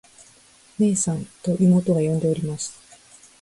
「ねえさん。」と妹が呼んでおります。